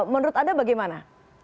menurut anda bagaimana